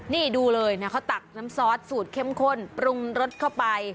นี่ดูเลยนะเขาตักน้ำซอสสูตรเข้มข้นปรุงรสเข้าไป